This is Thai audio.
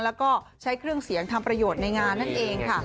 แล้วก็ใช้เครื่องเสียงทำประโยชน์ในงานนั่นเองค่ะ